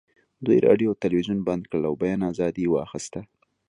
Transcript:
دوی راډیو او تلویزیون بند کړل او بیان ازادي یې واخیسته